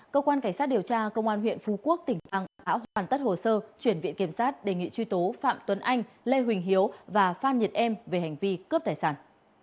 cơ quan cảnh sát điều tra công an huyện phú quốc tỉnh đã hoàn tất hồ sơ chuyển viện kiểm sát đề nghị truy tố phạm tuấn anh lê huỳnh hiếu và phan nhật em về hành vi cướp tài sản